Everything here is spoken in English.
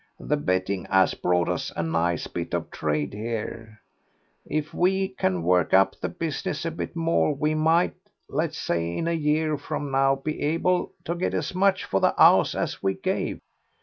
The betting 'as brought us a nice bit of trade here. If we can work up the business a bit more we might, let's say in a year from now, be able to get as much for the 'ouse as we gave....